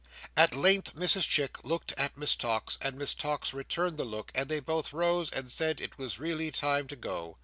At length Mrs Chick looked at Miss Tox, and Miss Tox returned the look, and they both rose and said it was really time to go.